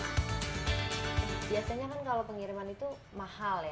biasanya kan kalau pengiriman itu mahal ya